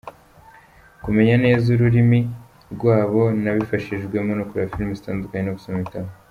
Kumenya neza ururimi rwabo nabifashijwemo no kureba filime zitandukanye no gusoma ibitabo.